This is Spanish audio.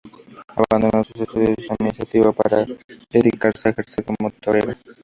Abandonó sus estudios de administrativo para dedicarse a ejercer como torera.